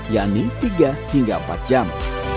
yakni tiga hingga empat jam